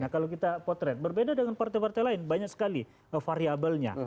kalau kita potret berbeda dengan partai partai lain banyak sekali variabelnya